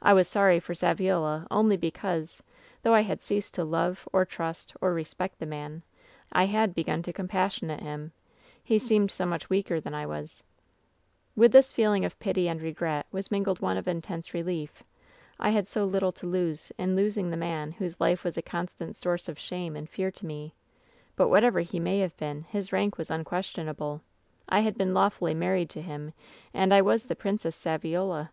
I was sorry for Saviola only because, though I had ceased to love, or trust, or respect the man, I had begun to compassionate him. He seemed so much weaker than I was. "With this feeling of pity and regret was mingled WHEN SHADOWS DIE 181 one of intense relief. I had so little to lose in losing the man whose life was a constant source of shame and fear to me ! But, whatever he may have been, his rank was unquestionable. I had been lawfully married to him, and I was the Princess Saviola.